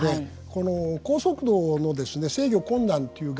この高速度の制御困難という概念はですね